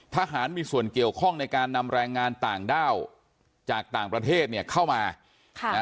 ทหารมีส่วนเกี่ยวข้องในการนำแรงงานต่างด้าวจากต่างประเทศเนี่ยเข้ามาค่ะนะ